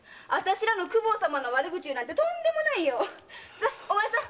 さお前さん！